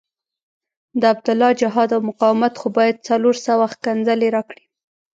د عبدالله جهاد او مقاومت خو باید څلور سوه ښکنځلې راکړي.